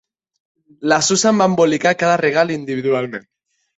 La Susan va embolicar cada regal individualment.